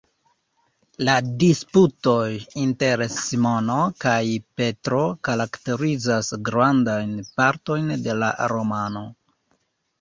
La disputoj inter Simono kaj Petro karakterizas grandajn partojn de la romano.